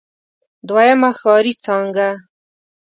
دويمه ښاري څانګه.